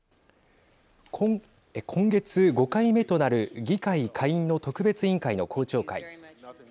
今月５回目となる議会下院の特別委員会の公聴会。